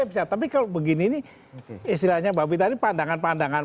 istilahnya mbak bita ini pandangan pandangan